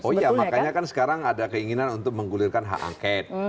oh iya makanya kan sekarang ada keinginan untuk menggulirkan hak angket